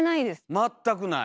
全くない？